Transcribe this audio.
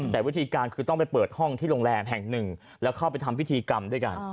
แต่วิธีการคือต้องไปเปิดห้องที่โรงแรมแห่งหนึ่งแล้วเข้าไปทำพิธีกรรมด้วยกัน